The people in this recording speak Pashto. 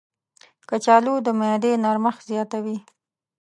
کچالو د معدې نرمښت زیاتوي.